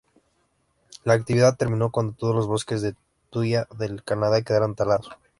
La actividad terminó cuando todos los bosques de tuya del Canadá quedaron talados.